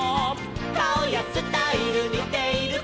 「かおやスタイルにているか」